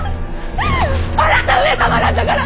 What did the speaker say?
あなた上様なんだから！